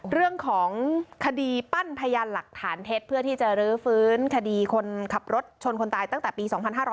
เรื่องของคดีปั้นพยานหลักฐานเท็จเพื่อที่จะรื้อฟื้นคดีคนขับรถชนคนตายตั้งแต่ปี๒๕๕๙